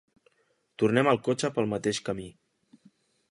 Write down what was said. Tornem al cotxe pel mateix camí.